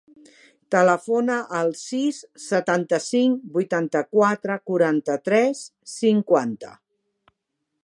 Telefona al sis, setanta-cinc, vuitanta-quatre, quaranta-tres, cinquanta.